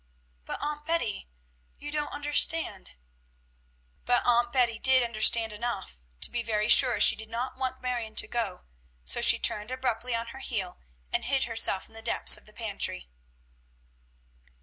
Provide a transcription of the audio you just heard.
"But, Aunt Betty, you don't understand." But Aunt Betty did understand enough to be very sure she did not want Marion to go, so she turned abruptly on her heel, and hid herself in the depths of the pantry.